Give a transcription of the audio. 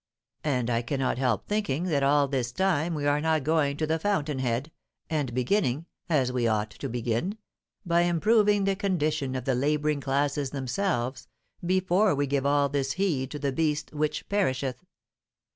And I cannot help thinking that all this time we are not going to the fountain head, and beginning, as we ought to begin, by improving the condition of the labouring classes themselves, before we give all this heed to the beast which perisheth.